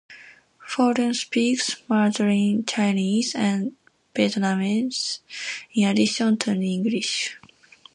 Forden speaks Mandarin Chinese and Vietnamese in addition to English.